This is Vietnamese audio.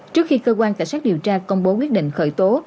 trước khi cơ quan cảnh sát điều tra công bố quyết định khởi tố